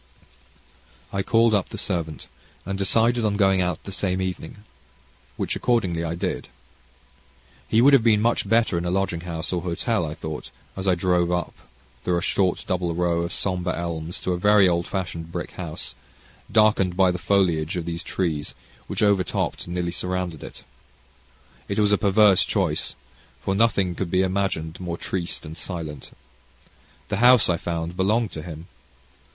I called up the servant, and decided on going out the same evening, which accordingly I did. He would have been much better in a lodging house, or hotel, I thought, as I drove up through a short double row of sombre elms to a very old fashioned brick house, darkened by the foliage of these trees, which overtopped, and nearly surrounded it. It was a perverse choice, for nothing could be imagined more triste and silent. The house, I found, belonged to him.